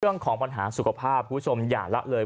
เรื่องของปัญหาสุขภาพคุณผู้ชมอย่าละเลย